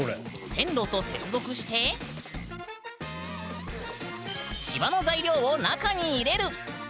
線路と接続して芝の材料を中に入れる！